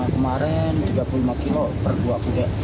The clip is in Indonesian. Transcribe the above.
kemarin tiga puluh lima kg per dua kuda